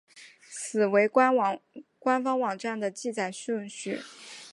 此为官方网站的记载顺序。